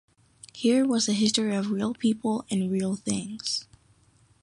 Here was a history of real people and real things.